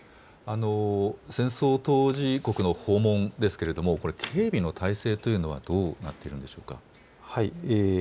戦争当事国の訪問ですが警備の体制というのはどうなっているのでしょうか。